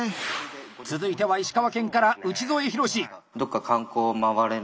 続いては石川県から内添浩！